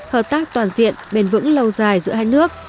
hợp tác toàn diện bền vững lâu dài giữa hai nước